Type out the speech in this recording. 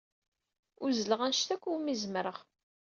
Uzzleɣ anect akk umi zemreɣ.